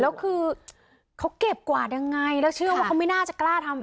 แล้วคือเขาเก็บกวาดยังไงแล้วเชื่อว่าเขาไม่น่าจะกล้าทำ